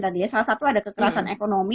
tadi ya salah satu ada kekerasan ekonomi